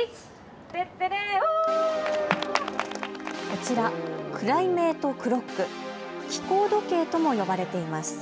こちら、クライメートクロック、気候時計とも呼ばれています。